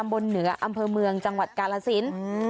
เหนืออำเภอเมืองจังหวัดกาลสิน